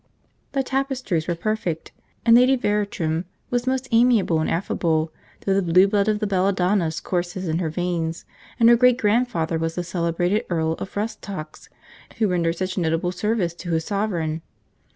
The tapestries were perfect, and Lady Veratrum was most amiable and affable, though the blue blood of the Belladonnas courses in her veins, and her great grandfather was the celebrated Earl of Rhus Tox, who rendered such notable service to his sovereign.